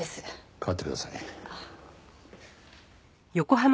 代わってください。